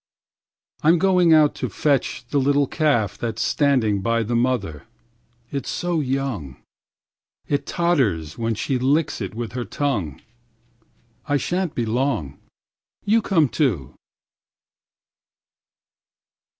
5I'm going out to fetch the little calf6That's standing by the mother. It's so young,7It totters when she licks it with her tongue.8I sha'n't be gone long. You come too.